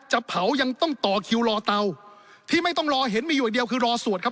จะเผายังต้องต่อคิวรอเตาที่ไม่ต้องรอเห็นมีอยู่อย่างเดียวคือรอสวดครับ